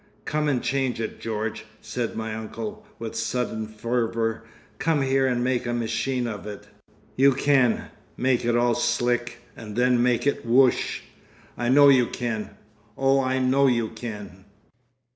"Come and change it, George," said my uncle, with sudden fervour "Come here and make a machine of it. You can. Make it all slick, and then make it woosh. I know you can. Oh! I know you can."